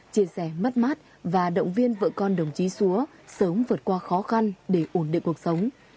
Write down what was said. chia sẻ mất mát và động viên vợ con đồng chí xúa sớm vượt qua khó khăn để ổn định cuộc sống